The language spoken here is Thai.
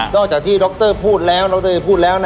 นอกจากที่ดรพูดแล้ว